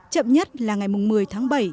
chậm nhất là ngày một mươi tháng bảy